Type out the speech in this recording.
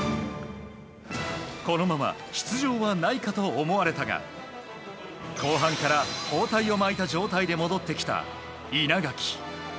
このまま出場はないかと思われたが後半から包帯を巻いた状態で戻ってきた稲垣。